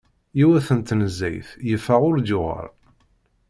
Yiwet n tnezzayt yeffeɣ ur d-yuɣal.